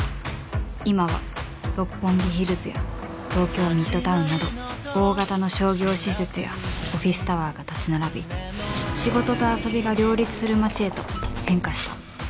今は六本木ヒルズや東京ミッドタウンなど大型の商業施設やオフィスタワーが立ち並び仕事と遊びが両立する街へと変化した